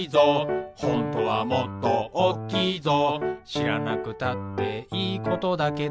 「しらなくたっていいことだけど」